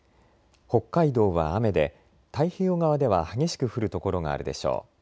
北海道は雨で太平洋側では激しく降る所があるでしょう。